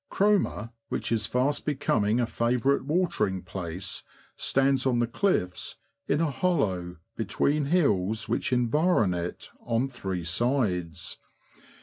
Cromer, which is fast becoming a favourite watering place, stands on the cliffs, in a hollow between hills which environ it on three sides.